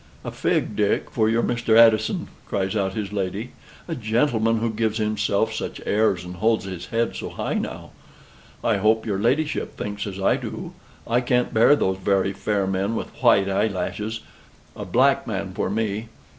"A fig, Dick, for your Mr. Addison!" cries out his lady: "a gentleman who gives himself such airs and holds his head so high now. I hope your ladyship thinks as I do: I can't bear those very fair men with white eyelashes a black man for me."